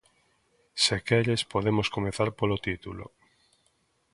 Se queres, podemos comezar polo título.